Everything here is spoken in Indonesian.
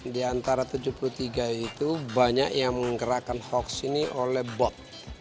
di antara tujuh puluh tiga itu banyak yang menggerakkan hoax ini oleh bot